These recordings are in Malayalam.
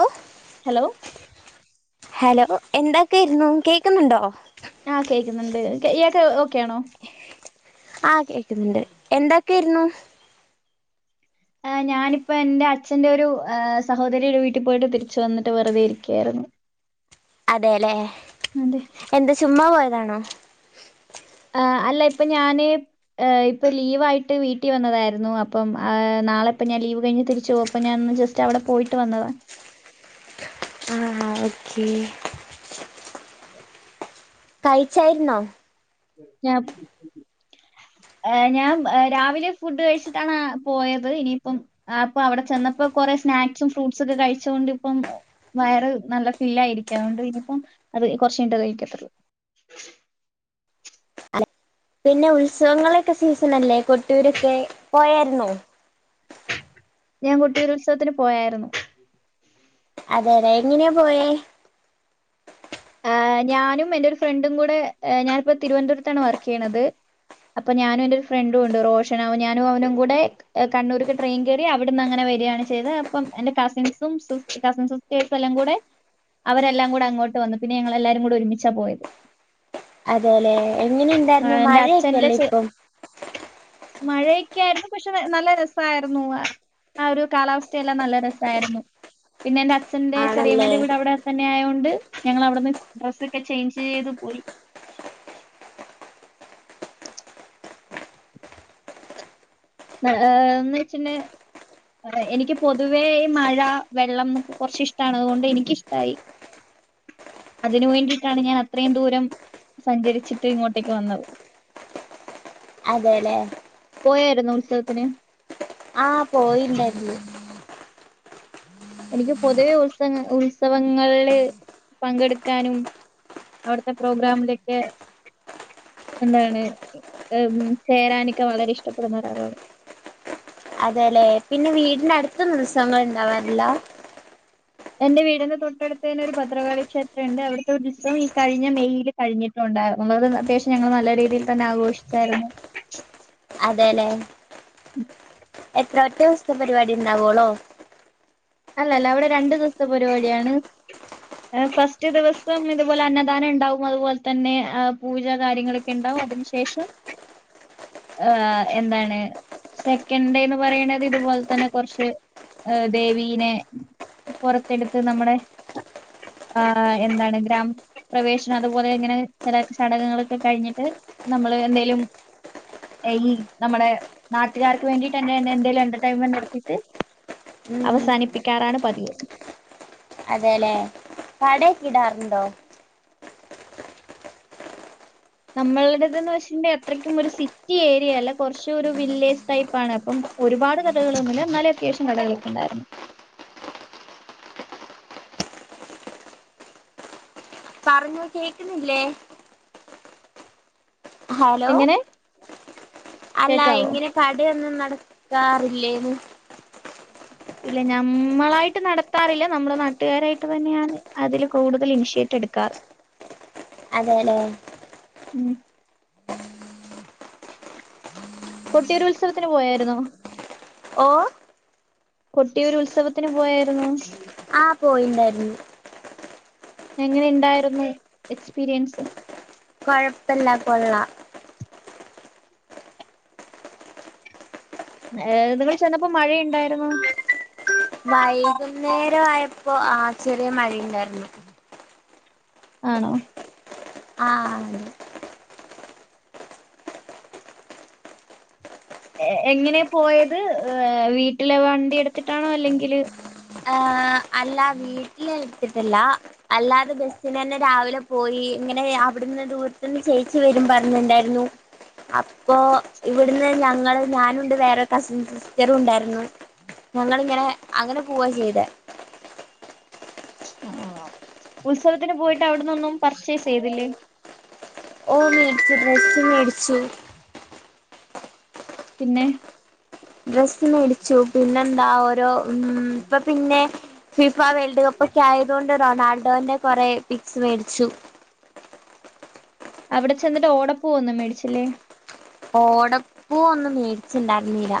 ഓ ഹലോ ഹലോ എന്തക്കയിരുന്നു കേക്കുന്നുണ്ടോ ആഹ കേക്കുന്നുണ്ട് ഇയാക്ക് ഓക്കെയാണോ ആഹ കേക്കുന്നുണ്ട് എന്താ കിരുന്നു ആഹ് ഞാനിപ്പോ എന്റ അച്ഛന്റെ ഒരു സഹോദരിയുടെ വീട്ടിൽ പോയിട്ട് തിരിച്ച് വന്നിട്ട് വെറുതെ ഇരിക്കാര്ന്നു അതെല്ലെ എന്താ ചുമ്മാ പോയ ഇതാണോ ആഹ് അല്ല ഇപ്പൊ ഞാന് ഏഹ് ഇപ്പൊ ലീവായിട്ട് വീട്ടിൽ വന്നതായിരുന്നു അപ്പം ആ നാളെ ഇപ്പ ഞാൻ ലീവ് കഴിഞ്ഞ് തിരിച്ചു പോം അപ്പൊ ഞാൻ ജസ്റ്റ് അവിടെ പോയിട്ട് വന്നതാ. ഒകെ കഴിച്ചായിരുന്നോ ഞാ ഏ ഞാൻ രാവിലെ ഫുഡ് കഴിച്ചിട്ടാണ് പോയത് ഇനിയിപ്പം അപ്പൊ അവിടെ ചെന്നപ്പോ കൊറെ സ്നാക്സും ഫ്രൂട്ട്സക്കെ കഴിച്ചൊണ്ട് ഇപ്പം വയറ് നല്ല ഫില്ലായിരിക്ക അതോണ്ട് ഇനിയിപ്പം അത് കൊറച്ച് കഴിഞ്ഞട്ടെ കൈക്കത്തുള്ളൂ. അ പിന്നെ ഉത്സവങ്ങളൊക്കെ സീസൺ അല്ലേ കൊട്ടൂരൊക്കെ പോയായിര്ന്നോ ഞാൻ കൊട്ടിയൂരു ഉത്സവത്തിന് പോയായിര്ന്നു അതെ അതെ എങ്ങനെയാ പോയേ അ ഞാനും എന്റെ ഒരു ഫ്രണ്ടും കൂടെ ഏ ഞാനിപ്പോ തിരുവനന്തപുരത്താണ് വർക്ക് ചെയ്യുന്നത് അപ്പ ഞാനും എൻന്റെ ഒരു ഫ്രണ്ടും ഉണ്ട് റോഷൻ ഞാനും അവനും കൂടെ കണ്ണൂർക്ക് ട്രെയിൻ കയറി അവിടുന്ന് അങ്ങനെ വരിയാണ് ചെയ്തേ അപ്പം എന്റെ കസിൻസും സിൻ സിസ്റ്റേഴ്സ് എല്ലാം കൂടെ അവരെല്ലാം കൂടെ അങ്ങോട്ട് വന്ന് പിന്ന ഞങ്ങളല്ലാരും കൂടെ ഒരുമിച്ചാ പോയത് അതേലെ എങ്ങനെയുണ്ടായിരുന്നു ആഹ് എന്റെ മഴയൊക്കെല്ലേ ഇപ്പം മഴയ്ക്കായിര്ന്നു പക്ഷെ നല്ല രസായിരുന്നു ആ ആഹ് ഒരു കാലാവസ്ഥയെല്ലാം നല്ല രസായിരുന്നു. പിന്ന എൻന്റച്ഛന്റെ ആണല്ലേ ചെറിയമേന്റ വീട് അവിടെ തന്നെ ആയോണ്ട് ഞങ്ങൾ അവിട്ന്ന് ഡ്രസ്സൊക്കെ ചേഞ്ച് ചെയ്ത് പോയി [inaudible] അ ആ എന്ന് വെച്ച്ണ്ടേ എനിക്ക് പൊതുവേ മഴ വെള്ളം എന്നൊക്കെ കൊറച്ച് ഇഷ്ടാണ് അതുകൊണ്ട് എനിക്കിഷ്ടായി അതിന് വേണ്ടിട്ടാണ് ഞാൻ അത്രയും ദൂരം സഞ്ചരിച്ചിട്ട് ഇങ്ങോട്ടേക്ക് വന്നത്. അതെല്ലേ പോയായിരുന്നു ഉത്സവത്തിന് ആഹ് പോയിണ്ടായിര്ന്നു എനിക്ക് പൊതുവെ ഉത്സ ഉത്സവങ്ങളില് പങ്കെടുക്കാനും അവിട്ത്തെ പ്രോഗ്രാമിലക്കെ എന്താണ് ഉം ചേരാനൊക്കെ വളരെ ഇഷ്ടപ്പെടുന്ന ഒരാളാണ് അതേലെ പിന്നെ വീടിന്റെ അടുത്തുന്നും ഉത്സവങ്ങൾ ഇണ്ടാവാറില്ലാ എന്റെ വീടിന്റെ തൊട്ടടുത്ത് തന്നെ ഒരു ഭദ്രകാളി ക്ഷേത്രം ഉണ്ട് അവിടുത്തെ ഉത്സവം കഴിഞ്ഞ മെയിൽ കഴിഞ്ഞിട്ടുണ്ടായിരുന്നുള്ളു അത് അത്യാവശ്യം ഞങ്ങൾ നല്ല രീതിയിൽ തന്നെ ആഘോഷിച്ചായിര്ന്നു അതേലെ [inaudible] എത്ര ഒറ്റ ദിവസത്ത പരിപാടി ഇണ്ടാവോളോ അല്ലല്ല അവിടെ രണ്ടു ദിവസത്തെ പരിപാടിയാണ് ഫസ്റ്റ് ദിവസം ഇതുപോലെ അന്നദാനം ഉണ്ടാവും അതുപോലെ തന്നെ പൂജ കാര്യങ്ങളൊക്കെ ഇണ്ടാവും അതിനു ശേഷം ആഹ് എന്താണ് സെക്കൻഡേന്ന് പറയണത് ഇതുപോലെ തന്നെ കുറച്ച് ദേവി പിന്നെ പുറത്തെടുത്ത് നമ്മുടെ എന്താണ് ഗ്രാ പ്രവേശനം അതുപോലെ അങ്ങനെ ചെല ചടങ്ങളൊക്കെ കഴിഞ്ഞിട്ട് നമ്മള് എന്തേലും ഈ നമ്മുടെ നാട്ടുകാർക്ക് വേണ്ടിട്ട് എന്തേലും എന്റർടൈൻമെന്റ് നടത്തീട്ട് അവ ഉം അവസാനിപ്പിക്കാറാണ് പതിവ് അതെല്ലേ കട ഒകെ ഇടാറുണ്ടോ നമ്മൾടതന്ന് വെച്ചിട്ടുണ്ടെ അത്രയ്ക്കും ഒരു സിറ്റി ഏരിയ അല്ല കൊറച്ച് ഒരു വില്ലേജ് ടൈപ്പ് ആണ് അപ്പം ഒരുപാട് കടകളൊന്നുല്ല എന്നാലും അത്യാവശ്യം കടകൾ ഒകെ ഉണ്ടായിരുന്നു പറഞ്ഞു കേക്കുന്നില്ലേ ഹലോ എങ്ങനെ അല്ല കേക്കാവോ എങ്ങനെ [unintelligible] കാറില്ലേന്ന് ഇല്ല നഞമ്മളായിട്ട് നടത്താറില്ല നമ്മളെ നാട്ടുകാരായിട്ട് തന്നെയാണ് അതില് കൂടുതൽ ഇനിഷ്യേറ്റവ് എടുക്കാറ് അതേലെ ഉം കൊട്ടിയൂരു ഉത്സവത്തിന് പോയായിരുന്നോ ഓ കൊട്ടിയൂരു ഉത്സവത്തിന് പോയായിരുന്നു ആഹ് പോയിണ്ടായിര്ന്നു എങ്ങനെ ഇണ്ടായിരുന്നു എക്സ്പീരിയൻസ് കൊഴപ്പില്ലാ കൊള്ളാ ഏർ നിങ്ങെ ചെന്നപ്പോ മഴയുണ്ടായിരുന്നു വൈകുന്നേരം രയപ്പോ ആ ചെറിയ മഴയുണ്ടായിരുന്നു ആണോ ആഹ എങ്ങനെ പോയത് ഏ വീട്ടിലെ വണ്ടി എടുത്തിട്ടാണോ അല്ലെങ്കില് ഹ അല്ല വീട്ടിൽ എടുത്തിട്ടില്ല അല്ലാതെ ബസിന് തന്നെ രാവിലെ പോയി ഇങ്ങനെ അവിടുന്ന് ദൂരത്തന്ന് ചേച്ചി വരും ന്ന് പറഞ്ഞിണ്ടായിരുന്നു അപ്പോ ഇവിടുന്ന് ഞങ്ങള് ഞാനുണ്ട് വേറെ കസിൻസ് ചെറവുണ്ടായിരുന്നു ഞങ്ങളിങ്ങനെ അങ്ങനെ പോക ചെയ്ത് ആ ഉത്സവത്തിന് പോയിട്ട് അവിടന്നൊന്നും പർച്ചേസ് ചെയ്തില്ലേ ഓ മേടിച്ചു ഡ്രസ്സ് മേടിച്ചു പിന്നെ ഡ്രസ്സ് മേടിച്ചു പിന്നെന്താ ഓരോ ഉ ഇപ്പൊ പിന്നെ ഫിഫ വേൾഡ് കപ്പ് ഒക്കെ ആയത് കൊണ്ട് റൊണാൾഡോന്റെ കുറെ പിക്സ് മേടിച്ചു അവിടെ ചെന്നിട്ട് ഓടപ്പൂഒന്നും മേടിച്ചില്ലേ ഓടപ്പൂ ഒന്നും മേടിച്ചുണ്ടായിരുന്നീല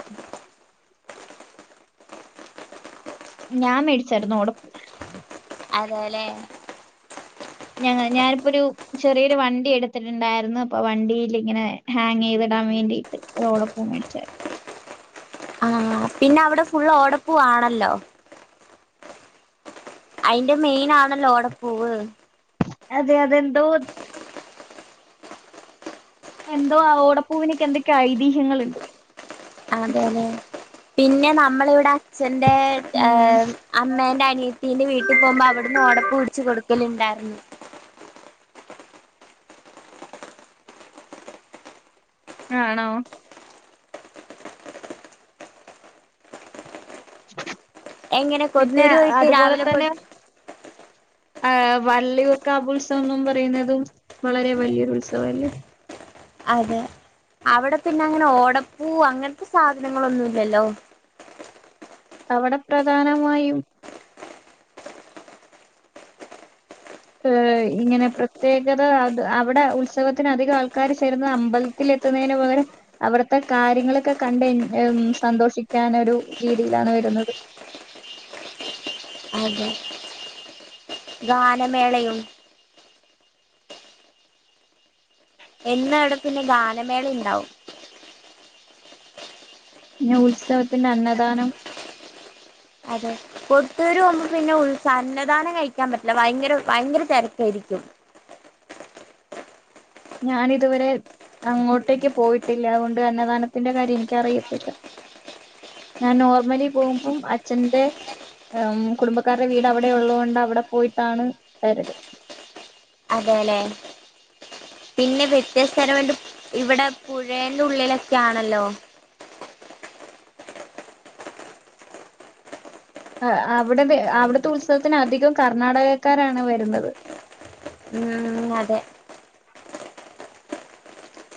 ഞാൻ മേടിച്ചായിരുന്നു ഓടപ്പു അതെല്ലെ ഞങ്ങ ഞാനിപ്പോ ഒരു ചെറിയൊരു വണ്ടി എടുത്തിട്ടുണ്ടായിരുന്നു അപ്പൊ വണ്ടിൽ ഇങ്ങനെ ഹാങ് ചെയ്തിടാൻ വേണ്ടിട്ട് ഒരു ഓടപ്പൂ മേടിചാർന്നു ആഹ പിന്നെ അവിടെ ഫുള്ള് ഓടപ്പുവാണല്ലോ അയിന്റെ മെയിൻ ആണല്ലോടപ്പൂവ് അതെ അതെ എന്തോ എന്തോ ആ ഓടപ്പൂവിനക്ക് എന്തൊക്കെയ ഐതിഹ്യങ്ങളുണ്ട് അതെലെ പിന്നെ നമ്മൾ ഇവിടെ അച്ഛന്റെ ഉം അമ്മേന്റെ അനിയത്തിന്റെ വീട്ടിൽ പോകുമ്പോൾ അവിടുന്ന് ഓടപ്പു ഒടിച്ച് കൊടുക്കലുണ്ടായിരുന്നു ഉം ആണോ [unintelligible] എങ്ങനെ കൊത്തൂര് പോയിട്ട് രാവിലെ പോയിട്ട് ആ വള്ളിയൂർകാവ് ഉത്സവോന്ന് പറയുന്നതും വളരെ വലിയൊരു ഉത്സവല്ലേ അതെ അവിടെ പിന്നെ അങ്ങനെ ഓടപ്പൂ അങ്ങനത്തെ സാധനങ്ങളൊന്നുംല്ലല്ലോ അവിടെ പ്രധാനമായും ഏ ഇങ്ങനെ പ്രത്യേകത അത് അവിടെ ഉത്സവത്തിന് അധികം ആൾക്കാര് ചേർന്ന് അമ്പലത്തിൽ എത്തുന്നതിന് പകരം അവിടുത്തെ കാര്യങ്ങളൊക്കെ കണ്ട് എൻ സന്തോഷിക്കാനൊരു രീതിയിലാണ് വരുന്നത്. അതെ ഗാനമേളയും എന്നും അവിടെ പിന്നെ ഗാനമേളയുണ്ടാവും. പിന്നെ ഉത്സവത്തിന്റെ അന്നദാനം അതെ കൊട്ടൂരു പോവുമ്പോ പിന്നെ ഉത്സ സ അന്നധാനം കഴിക്കാൻ പറ്റില്ല ഭയങ്കര ഭയങ്കര തിരക്കായിരിക്കും. ഞാനിതുവരെ അങ്ങോട്ടേക്ക് പോയിട്ടില്ല അതുകൊണ്ട് അന്നദാനത്തിന്റെ കാര്യം എനിക്കറിയത്തില്ല. ഞാൻ നോർമലി പോകുമ്പം അച്ഛന്റെ കുടുംബക്കാരുടെ വീട് അവിടെ ഉള്ളത് കൊണ്ട് അവിടെ പോയിട്ടാണ് വരല് അതെല്ലെ പിന്നെ വ്യത്യസ്ഥരംണ്ട് ഇവിടെ പുഴേന്റെ ഉള്ളിലൊക്കെ ആണല്ലോ ആ അവിടത്തെ അവിടുത്തെ ഉത്സവത്തിന് അധികം കർണാടകക്കാരാണ് വരുന്നത്. മം അതെ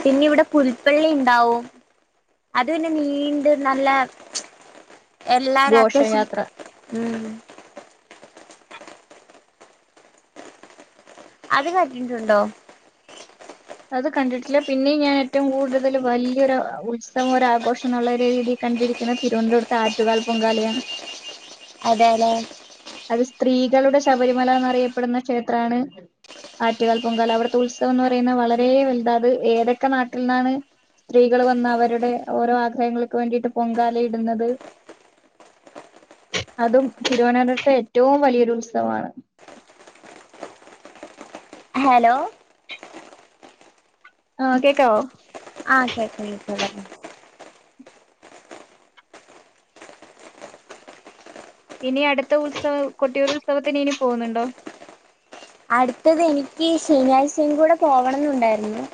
പിന്നെ ഇവിടെ പുൽപ്പള്ളി ഉണ്ടാവും അത് പിന്നെ നീണ്ട് നല്ല എല്ലാരും അത്യാവശ്യം ഘോഷയാത്ര ഉം അത് കണ്ടിട്ടുണ്ടോ അത് കണ്ടിട്ടില്ല പിന്നെയും ഞാൻ ഏറ്റവും കൂടുതല് വലിയൊരു ഉത്സവം ഒരാഘോഷം എന്നുള്ള രീതിയിൽ കണ്ടിരിക്കുന്നത് തിരുവനന്തപുരത്തെ ആറ്റുകാൽ പൊങ്കാലയാണ്. അതെ അതെ അത് സ്ത്രീകളുടെ ശബരിമലാന്നറിയപ്പെടുന്ന ക്ഷേത്രാണ് ആറ്റുകാൽ പൊങ്കാല അവിടുത്തെ ഉത്സവംന്ന് പറയുന്നത് വളരെ വലുത അത് ഏതൊക്കെ നാട്ടിൽ നിന്നാണ് സ്ത്രീകൾ വന്ന് അവരുടെ ഓരോ ആഗ്രഹങ്ങൾക്ക് വേണ്ടിട്ട് പൊങ്കാല ഇടുന്നത് അതും തിരുവന ത്തെ ഏറ്റവും വലിയൊരു ഉത്സവമാണ് ഹലോ ആ കേക്കാവോ? ആ കേക്കാം കേക്കാം കേക്കാം ഇനി അടുത്ത ഉത്സവം കൊട്ടിയൂർ ഉത്സവത്തിന് ഇനി പോന്നുണ്ടോ അടുത്തത് എനിക്ക് ശനിയാഴ്ചയും കൂടെ പോവണംന്നുണ്ടായിരുന്നു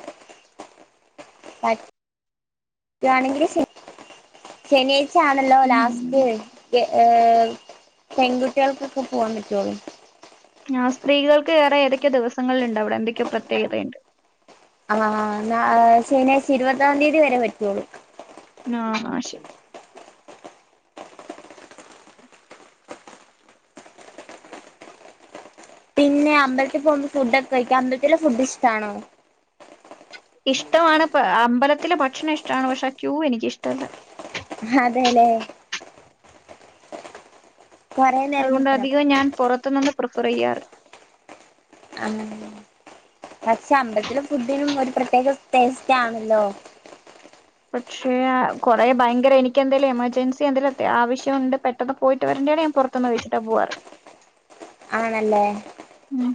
പറ്റുവാണെങ്കിൽ ശനിയാഴ് ആണല്ലോ ഉം ലാസ്റ്റ് ഏ പെൺകുട്ടികൾക്കൊക്കെ പോവാൻ പറ്റുള്ളു ആ സ്ത്രീകൾക്ക് വേറെ ഏതൊക്കെയോ ദിവസങ്ങളിലുണ്ട് അവിടെ എന്തൊക്കെയോ പ്രത്യേകതയുണ്ട്. ആ ന ശനിയാഴ്ച ഇരുപതാം തീയ തി വരേ പറ്റുള്ളൂ ആ ശെ പിന്നെ അമ്പലത്തി പോകുമ്പം ഫുഡൊക്കെ കഴിക്കാം അമ്പലത്തിലെ ഫുഡിഷ്ടാണോ? ഇഷ്ടമാണ് പ അമ്പലത്തിലെ ഭക്ഷണം ഇഷ്ടമാണ് പക്ഷെ ആ ക്യൂ എനിക്കിഷ്ടല്ല. അതേല്ലേ നേരം അതുകൊണ്ട് നിക്കണം അധികോം ഞാൻ പുറത്തുനിന്ന് പ്രിഫറ് ചെയ്യാറ് ആ പക്ഷെ അമ്പലത്തിലെ ഫുഡിനും ഒരു പ്രത്യേക ടേസ്റ്റ് ആണല്ലോ. പക്ഷേ കുറേ ഭയങ്കര എനിക്ക് എന്തേലും എമർജൻസി എന്തേലും അത്യാ ആവശ്യമുണ്ട് പെട്ടെന്ന് പോയിട്ട് വരണ്ടെയാണെ ഞാൻ പുറത്തൂന്ന് കഴിച്ചിട്ടാ പോവാറ്. ആണല്ലേ ഉം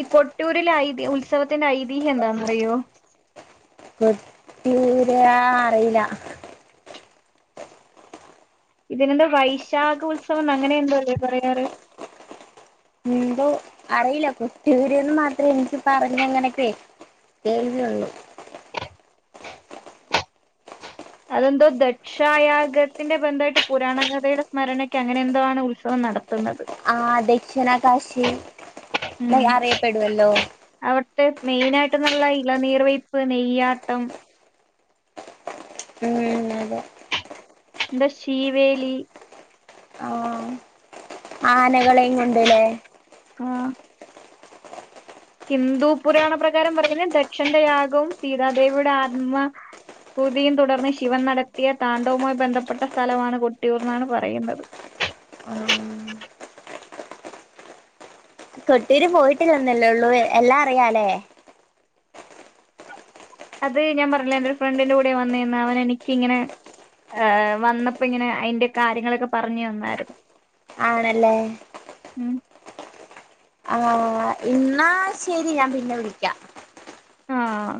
ഈ കൊട്ടിയൂരിലെ ഐതി ഉത്സവത്തിന്റെ ഐതിഹ്യം എന്താന്നറിയോ കൊട്ടിയൂരെ അറിയില്ല ഇതിനെന്തോ വൈശാഖ ഉത്സവന്ന് അങ്ങനെ എന്തോ അല്ലേ പറയാറ്? എന്തോ അറിയില്ല കൊട്ടിയൂരൂന്ന് മാത്രേ എനിക്ക് പറഞ്ഞ് അങ്ങനെ കേട്ട് കേൾവിയുള്ളു അതെന്തോ ദക്ഷായാഗത്തിന്റെ ബന്ധമായിട്ട് പുരാണ കഥയുടെ സ്മരണക്ക് അങ്ങനെ എന്തോ ആണ് ഉത്സവം നട ആ ദക്ഷിണ കാശി അറിയപ്പെടുവല്ലോ ട്ട് മെയിൻ ആയിട്ടെന്നുള്ള ഇളനീർവെയ്പ്പ് നെയ്യാട്ടം ഉം അതെ എന്ത്‌ ശീവേലി ആനെ കളെയും കൊണ്ടോയിലെ ആഹ് ഹിന്ദു പുരാണ പ്രകാരം പറയുന്നത് ദക്ഷന്റെ യാഗവും സീതാദേവിയുടെ ആത്മഭൂതിയും തുടർന്ന് ശിവൻ നടത്തിയ താണ്ഡവുമായി ബന്ധപ്പെട്ട സ്ഥലമാണ് കൊട്ടിയൂർന്നാണ് പറയുന്നത് ആ കൊട്ടിയൂര് പോയിട്ടില്ലന്നല്ലേള്ളൂ എല്ലാ അറിയാലേ അത് ഞാൻ പറഞ്ഞില്ലേ എന്റെ ഒരു ഫ്രണ്ടിന്റെ കൂടെയാ വന്നേന്ന് അവൻ എനിക്കിങ്ങനെ ഏഹ് വന്നപ്പോ ഇങ്ങനെ അയിന്റെ കാര്യങ്ങളൊക്കെ പറഞ്ഞു തന്നാരുന്നു ആണല്ലേ ആഹ് ഇന്നാ ശെരി ഞാൻ പിന്നെ വിളിക്കാം ആഹ്